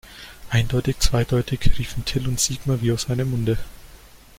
Eindeutig zweideutig, riefen Till und Sigmar wie aus einem Munde.